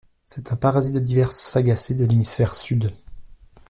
C'est un parasite de diverses Fagacées de l'hémisphère sud.